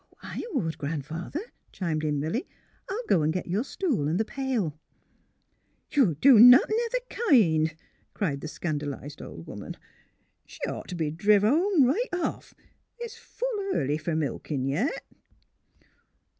'' I would, Gran 'father," chimed in Milly. '^ I'll go get your stool an' th' pail." " You'll do nothin' of the kind," cried the scandalised old woman. —" She'd ought t' be driv' home right off; it's full early fer milkin' yet."